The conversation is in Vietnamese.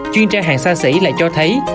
chuyên tra hàng xa xỉ lại cho thấy